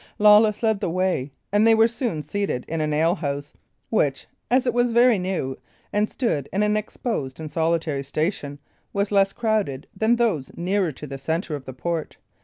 Lawless led the way, and they were soon seated in an alehouse, which, as it was very new, and stood in an exposed and solitary station, was less crowded than those nearer to the centre of the port.